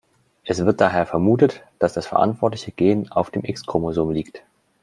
Es wird daher vermutet, dass das verantwortliche Gen auf dem X-Chromosom liegt.